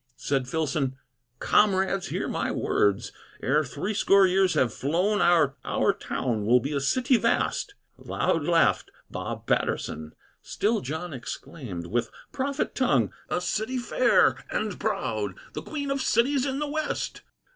Said Filson: "Comrades, hear my words: Ere threescore years have flown Our town will be a city vast." Loud laughed Bob Patterson. Still John exclaimed, with prophet tongue, "A city fair and proud, The Queen of Cities in the West!"